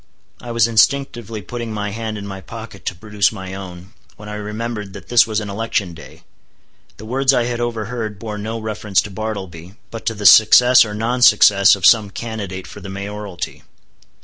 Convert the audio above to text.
I was instinctively putting my hand in my pocket to produce my own, when I remembered that this was an election day. The words I had overheard bore no reference to Bartleby, but to the success or non success of some candidate for the mayoralty.